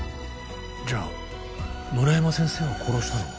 じゃあ村山先生を殺したのも？